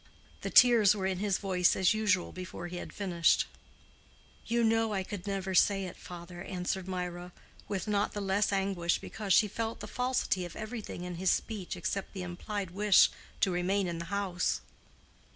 The tears were in his voice as usual, before he had finished. "You know I could never say it, father," answered Mirah, with not the less anguish because she felt the falsity of everything in his speech except the implied wish to remain in the house.